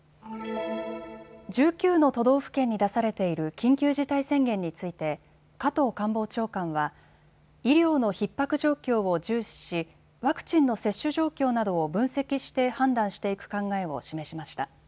１９の都道府県に出されている緊急事態宣言について加藤官房長官は医療のひっ迫状況を重視しワクチンの接種状況などを分析して判断していく考えを示しました。